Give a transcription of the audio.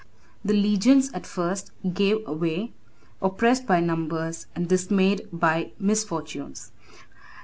The legions at first gave way, oppressed by numbers, and dismayed by misfortunes.